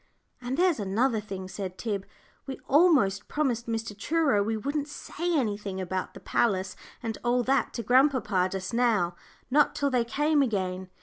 "And there's another thing," said Tib: "we almost promised Mr. Truro we wouldn't say anything about the palace and all that to grandpapa just now not till they came again.